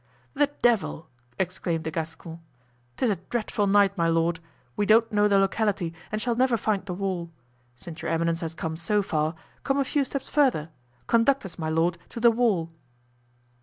"The devil!" exclaimed the Gascon, "'tis a dreadful night, my lord. We don't know the locality, and shall never find the wall. Since your eminence has come so far, come a few steps further; conduct us, my lord, to the wall."